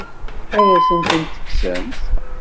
Ad asent-ten-tekksemt?